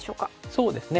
そうですね